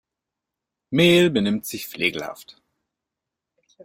Mel benimmt sich flegelhaft.